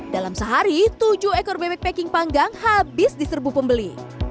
dalam sehari tujuh ekor bebek packing panggang habis di serbu pembeli